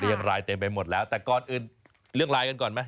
อย่างไรเต็มไปหมดแล้วแต่ก่อนอื่นเรื่องไลน์กันก่อนไหม